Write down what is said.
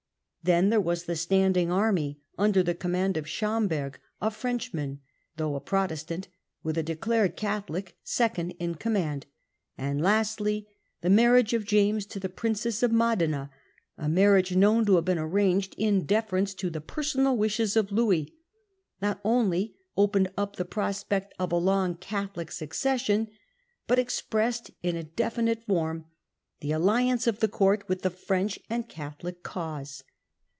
Then there was the standing army, under the command of Schomberg, a Frenchman, though a Protestant, with a declared Catho lic second in command ; and, lastly, the marriage of James to the Princess of Modena — a marriage known to have been arranged in deference to the personal wishes of Louis— not only opened up the prospect of a long Catholic succession, but expressed in a definite form the alliance of the court with the French and Catholic cause.